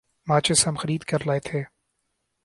ماچس ہم خرید کر لائے تھے ۔